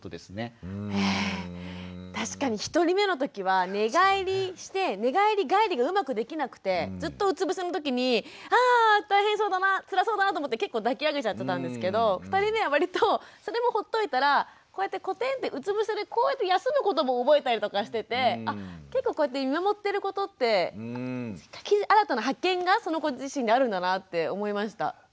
確かに１人目の時は寝返りして寝返り返りがうまくできなくてずっとうつ伏せの時にあ大変そうだなつらそうだなと思って結構抱き上げちゃってたんですけど２人目は割とほっといたらこうやってこてんってうつ伏せでこうやって休むことも覚えたりしててあっ結構こうやって見守ってることって新たな発見がその子自身にあるんだなって思いました。